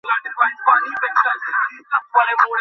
আমাদের ফিরে যাওয়া উচিত।